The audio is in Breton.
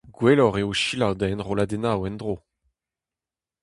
Gwelloc'h eo selaou da enrolladennoù en-dro.